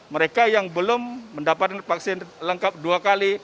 mereka yang belum mendapatkan vaksin lengkap dua kali